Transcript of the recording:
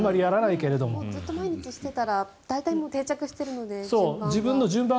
ずっと毎日してたら大体、定着しているので順番は。